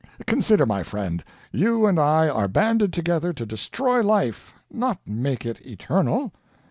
Consider, my friend, you and I are banded together to destroy life, not make it eternal."